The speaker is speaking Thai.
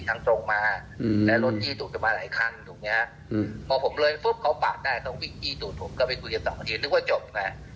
ต้องวิ่งกี้ตูดผมก็ไปดูยัง๒นาทีนึกว่าจบค่ะ